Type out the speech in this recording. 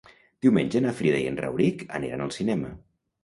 Diumenge na Frida i en Rauric aniran al cinema.